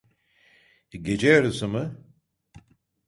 Gece yarısı mı?